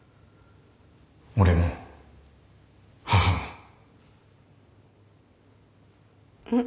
俺も母も。